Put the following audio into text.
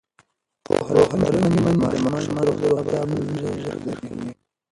پوهه لرونکې میندې د ماشومانو د روغتیا بدلونونه ژر درک کوي.